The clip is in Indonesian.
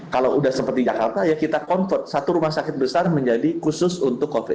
kalau sudah seperti jakarta ya kita convert satu rumah sakit besar menjadi khusus untuk covid sembilan belas